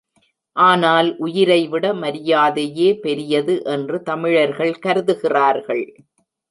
ஆனால் உயிரைவிட மரியாதையே பெரியது என்று தமிழர்கள் கருதுகிறார்கள்.